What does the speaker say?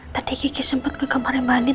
tadi kiki sempat ke kamar mbak andien